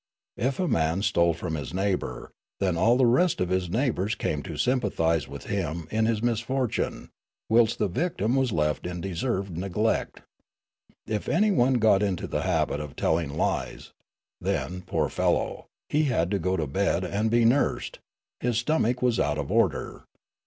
If a man stole from his neighbour, then all the rest of his neighbours came to sympathise with him in his misfortune whilst the victim was left in deserved neglect. If anyone got into the habit of tell ing lies, then, poor fellow, he had to go to bed and be nursed ; his stomach was out of order.